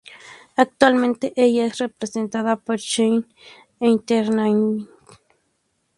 Actualmente ella es representada por Shine Entertainment.